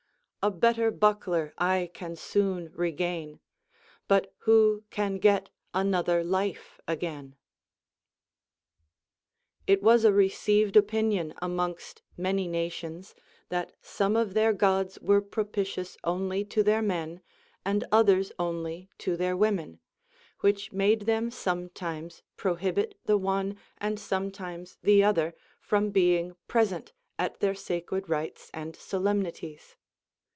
A better buckler I can soon regain, But who can get another life again ?* 35. It was a received opinion amongst many nations, that some of their Gods were propitious only to their men, and others only to their Avomen, which made them some times prohibit the one and sometimes the other from being present at their sacred rites and solemnities.